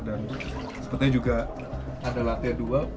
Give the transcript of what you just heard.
sepertinya juga ada latihan dua